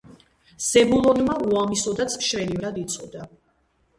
ზებულონმა უამისოდაც მშვენივრად იცოდა